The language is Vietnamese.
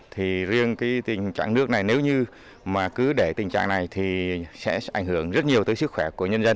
thì riêng cái tình trạng nước này nếu như mà cứ để tình trạng này thì sẽ ảnh hưởng rất nhiều tới sức khỏe của nhân dân